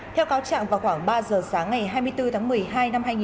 theo cáo trạng vào khoảng ba giờ sáng ngày hai mươi bốn tháng một mươi hai